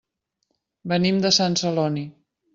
Venim de Sant Celoni.